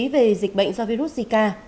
về dịch bệnh do virus zika